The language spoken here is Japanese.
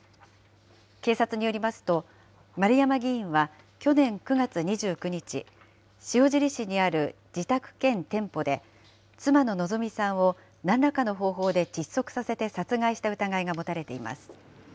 警察によりますと、丸山議員は去年９月２９日、塩尻市にある自宅兼店舗で、妻の希美さんをなんらかの方法で窒息させて殺害した疑いが持たれています。